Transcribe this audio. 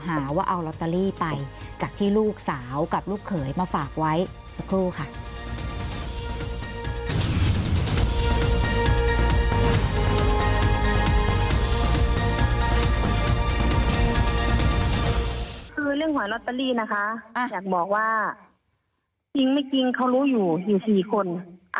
แม่บัวตันรู้ว่าลูกชายถูกล็อตเตอรี่วันที่เท่าไหร่จ๊ะ